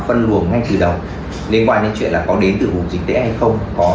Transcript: phân luồng ngay từ đầu liên quan đến chuyện là có đến từ vùng dịch tễ hay không có